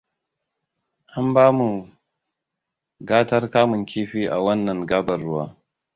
An ba mu gatar kamun kifi a wannan gabar ruwa.